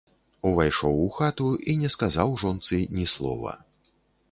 Увайшоў у хату і не сказаў жонцы ні слова.